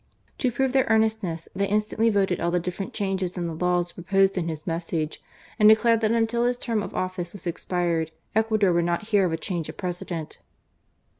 To prove their earnestness they instantly voted all the differ ent changes in the laws proposed in his message. ONE AGAINST ALL. 147 and declared that until his term of office was •expired, Ecuador would not hear of a change of President.